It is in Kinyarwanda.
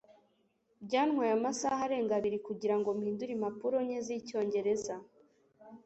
Byantwaye amasaha arenga abiri kugirango mpindure impapuro nke zicyongereza.